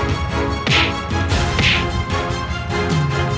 mereka harus beralah